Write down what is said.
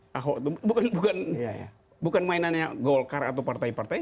paho itu bukan mainannya golkar atau partai partai